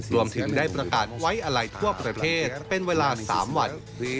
รวมถึงได้ประกาศไว้อะไรทั่วประเทศเป็นเวลา๓วัน